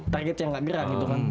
target yang gak gerak gitu kan